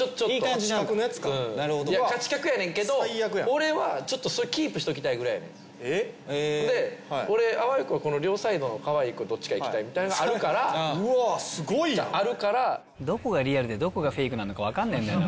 勝ち確のやつか勝ち確やねんけど俺はちょっとそれキープしときたいぐらいやねんえっ⁉で俺あわよくばこの両サイドのかわいい子どっちかいきたいみたいなのあるからうわっすごいなあるからどこがリアルでどこがフェイクなのか分かんねえんだよな